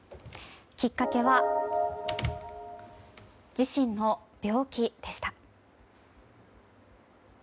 きっかけは自身の病気でした。